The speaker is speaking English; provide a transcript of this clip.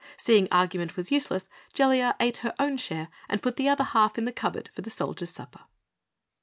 Seeing argument was useless, Jellia ate her own share and put the other half in the cupboard for the soldier's supper.